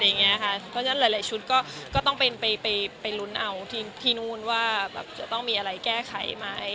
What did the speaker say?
เพราะฉะนั้นหลายชุดก็ต้องไปลุ้นเอาที่นู่นว่าจะต้องมีอะไรแก้ไขไหม